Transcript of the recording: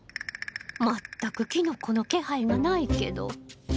全くキノコの気配がないけど。